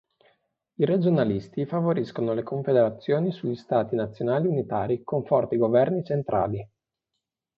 I regionalisti favoriscono le confederazioni sugli stati nazionali unitari con forti governi centrali.